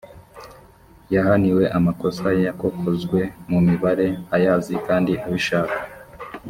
yahaniwe amakosa yakokozwe mu mibare ayazi kandi abishaka